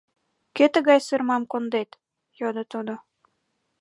— Кӧ тыгай сӧрмам кондет? — йодо тудо.